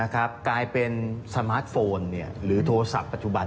กลายเป็นสมาร์ทโฟนหรือโทรศัพท์ปัจจุบัน